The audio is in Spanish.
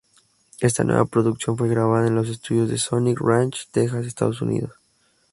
Esta nueva producción fue grabada en los estudios de Sonic Ranch, Texas, Estados Unidos.